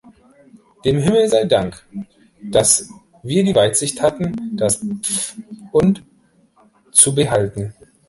Dem Himmel sei Dank, dass wir die Weitsicht hatten, das Pf- und zu behalten.